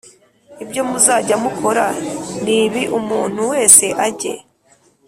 Ibyo muzajya mukora ni ibi umuntu wese ajye